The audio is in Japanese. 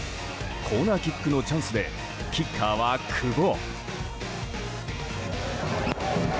コーナーキックのチャンスでキッカーは久保。